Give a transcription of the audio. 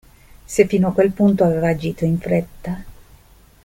Se fino a quel punto aveva agito in fretta.